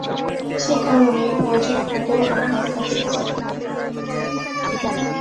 সে কারণেই প্রয়োজন হলেও আপনার কাছে যাই না।